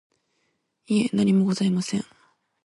いえ、何もございません。